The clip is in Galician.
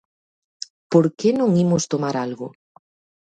¿Por que non imos tomar algo?